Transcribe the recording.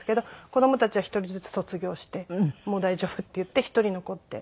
子供たちは１人ずつ卒業してもう大丈夫っていって１人残って。